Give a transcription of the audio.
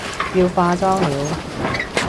要化妝了